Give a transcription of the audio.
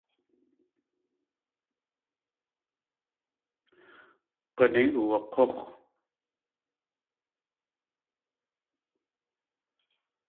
G̲unéi uwak̲úx̲.